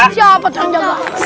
siapa yang jaga